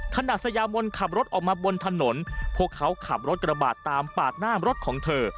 สยามนขับรถออกมาบนถนนพวกเขาขับรถกระบาดตามปาดหน้ารถของเธอ